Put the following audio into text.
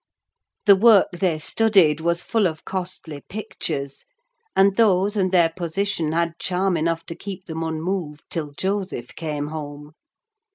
The work they studied was full of costly pictures; and those and their position had charm enough to keep them unmoved till Joseph came home.